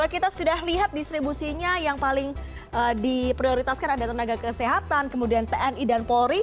kita sudah lihat distribusinya yang paling diprioritaskan ada tenaga kesehatan kemudian tni dan polri